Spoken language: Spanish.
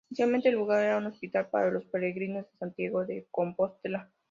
Inicialmente el lugar era un hospital para los peregrinos de Santiago de Compostela.